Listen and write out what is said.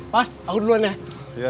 pak aku duluan ya